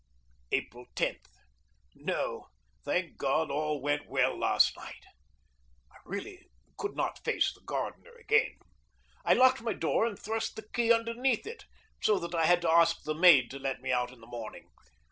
April 10. No, thank God, all went well last night. I really could not face the gardener again. I locked my door and thrust the key underneath it, so that I had to ask the maid to let me out in the morning.